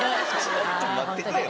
ちょっと待ってくれよ。